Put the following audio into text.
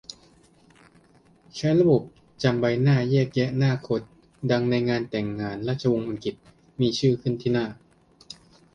ใช้ระบบรู้จำใบหน้าแยกแยะหน้าคนดังในงานแต่งงานราชวงศ์อังกฤษ มีชื่อขึ้นที่หน้า